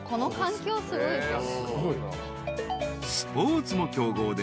［スポーツも強豪で］